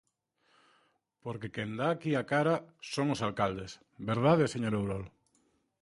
Porque quen dá aquí a cara son os alcaldes, ¿verdade, señor Ourol?